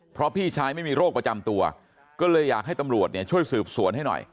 เพราะพี่ชายไม่มีโรคประจำตัวก็เลยอยากให้ตำรวจเนี่ยช่วยสืบสวนให้หน่อย